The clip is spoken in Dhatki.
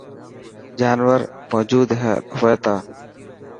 جانور موجود هئي تا.